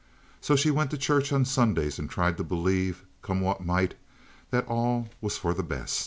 So she went to church on Sundays and tried to believe, come what might, that all was for the best.